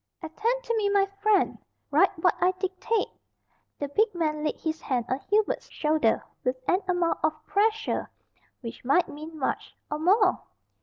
"Attend to me, my friend write what I dictate." The big man laid his hand on Hubert's shoulder with an amount of pressure which might mean much or more!